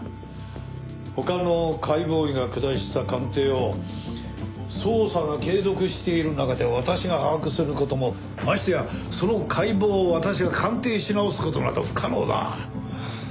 他の解剖医が下した鑑定を捜査が継続している中で私が把握する事もましてやその解剖を私が鑑定し直す事など不可能だ。